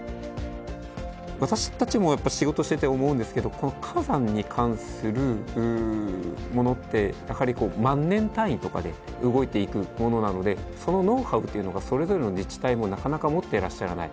私たちもやっぱ仕事してて思うんですけどこの火山に関するものってやはり万年単位とかで動いていくものなのでそのノウハウっていうのがそれぞれの自治体もなかなか持っていらっしゃらない。